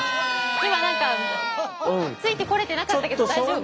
今何かついてこれてなかったけど大丈夫？